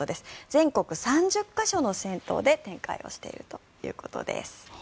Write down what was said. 全国３０か所の銭湯で展開をしているということです。